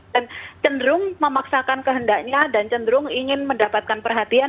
dan cenderung memaksakan kehendaknya dan cenderung ingin mendapatkan perhatian